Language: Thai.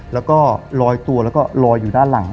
แล้วก็ลอยตัวแล้วก็ลอยอยู่ด้านหลัง